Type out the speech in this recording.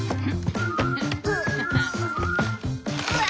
うわ！